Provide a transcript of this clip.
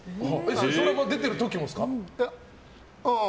ドラマ出てる時もですか？